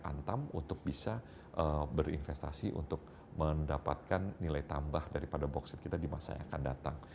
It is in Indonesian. antam untuk bisa berinvestasi untuk mendapatkan nilai tambah daripada boksit kita di masa yang akan datang